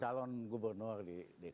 calon gubernur di kabinet